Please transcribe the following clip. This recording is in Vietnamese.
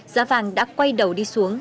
giá vàng đã quay đầu đi xuống